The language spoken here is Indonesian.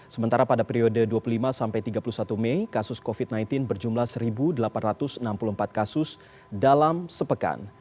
sementara pada periode dua puluh lima sampai tiga puluh satu mei kasus covid sembilan belas berjumlah satu delapan ratus enam puluh empat kasus dalam sepekan